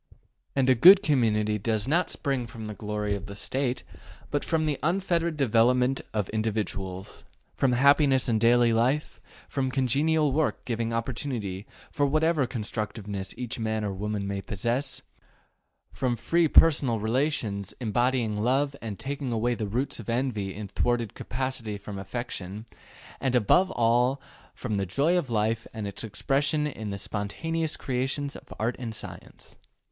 And a good community does not spring from the glory of the State, but from the unfettered development of individuals: from happiness in daily life, from congenial work giving opportunity for whatever constructiveness each man or woman may possess, from free personal relations embodying love and taking away the roots of envy in thwarted capacity from affection, and above all from the joy of life and its expression in the spontaneous creations of art and science.